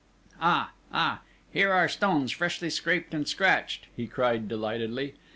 "Ah! Ah! Here are stones freshly scraped and scratched!" he cried delightedly.